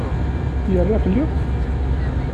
Yerra fell-i?